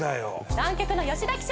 南極の吉田記者